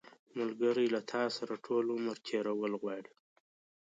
ملګری له تا سره ټول عمر تېرول غواړي